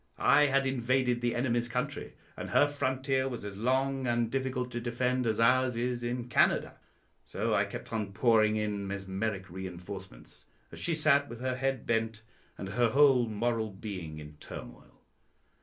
I had invaded the enemy's country, and her frontier was as long and difficult to defend as ours is in Canada. So I kept on pouring in mesmeric reinforcements, as she sat with her head bent, and her whole moral being in turmoil.